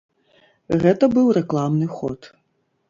Гэта быў рэкламны ход.